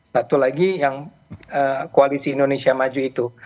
satu lagi yang koalisi indonesia maju itu